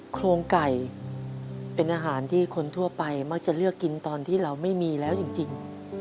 โครงไก่เป็นอาหารที่คนทั่วไปมักจะเลือกกินตอนที่เราไม่มีแล้วจริง